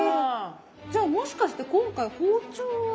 じゃあもしかして今回包丁は。